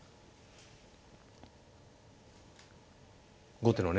後手のね